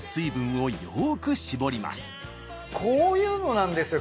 こういうのなんですよ